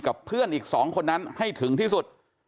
กับเพื่อนอีก๒คนนั้นให้ถึงที่สุด